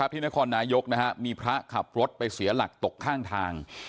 ที่นครนายกมีพระขับรถไปเสียหลักตกข้างทาง